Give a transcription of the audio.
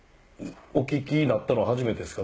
お聞きになったのは初めてですか？